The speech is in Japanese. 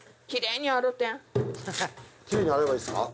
きれいに洗えばいいですか？